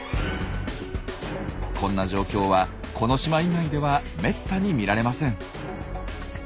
こんな状況はこの島以外ではめったに見られません。